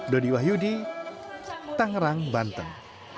dodi wahyudi tangerang banten